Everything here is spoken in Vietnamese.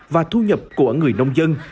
và thu nhập của người nông dân